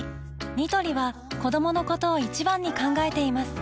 ニトリは子どものことを一番に考えています